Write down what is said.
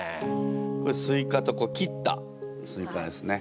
スイカと切ったスイカですね。